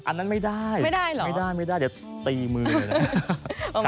อันนั้นไม่ได้เดี๋ยวตีมือเนี่ยนะไม่ได้เหรอ